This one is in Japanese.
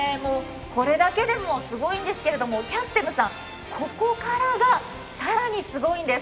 これだけでもすごいんですが、キャステムさん、ここからが更にすごいんです。